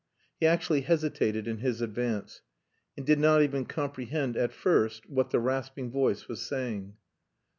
He actually hesitated in his advance, and did not even comprehend, at first, what the rasping voice was saying.